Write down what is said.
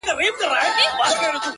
ژر سه ته زما له گرانښته قدم اخله”